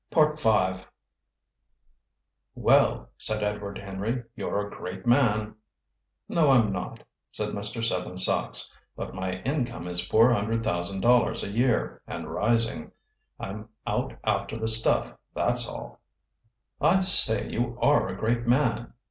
V. "Well," said Edward Henry, "you're a great man!" "No, I'm not," said Mr. Seven Sachs. "But my income is four hundred thousand dollars a year, and rising. I'm out after the stuff, that's all." "I say you are a great man!"